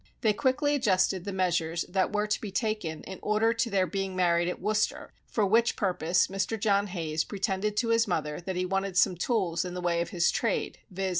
They quickly adjusted the measures that were to be taken in order to their being married at Worcester; for which purpose Mr. John Hayes pretended to his mother that he wanted some tools in the way of his trade, viz.